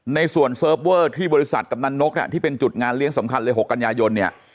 ในส่วนเซิร์ฟเวอร์ที่บริษัทกำนันนกที่เป็นจุดงานเลี้ยงสำคัญเลย๖กันยายนเนี่ย